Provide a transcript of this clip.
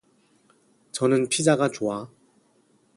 저는 피자가 좋아.